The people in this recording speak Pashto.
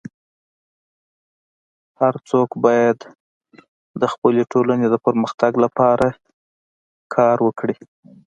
هر څوک باید د خپلي ټولني د پرمختګ لپاره کار وکړي.